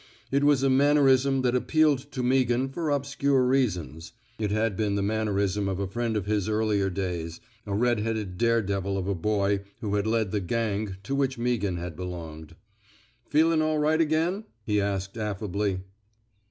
It was a mannerism that appealed to Meaghan for obscure reasons. (It had been the mannerism of a friend of his earlier days — a red headed daredevil of a boy who had led the gang to which Meaghan had be longed.) Feelin* all right again! " he asked, affably.